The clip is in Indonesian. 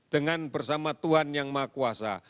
dengan bersama tuhan yang maha kuasa